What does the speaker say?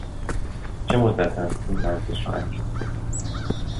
چه مدت است این ورزش را انجام می دهید؟